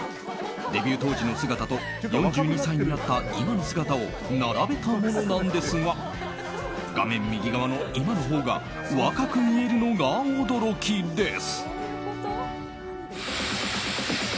デビュー当時の姿と４２歳になった今の姿を並べたものなんですが画面右側の今のほうが若く見えるほうが驚きです。